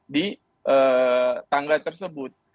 di tangga tersebut